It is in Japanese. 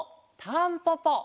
タンポポ！